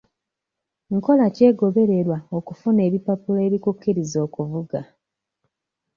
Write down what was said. Nkola ki egobererwa okufuna ebipapula ebikukkiriza okuvuga?